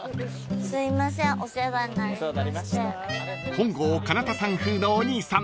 ［本郷奏多さん風のお兄さん